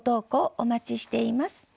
お待ちしています。